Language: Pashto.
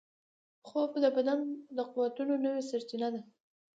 خوب د بدن د قوتونو نوې سرچینه ده